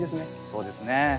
そうですね。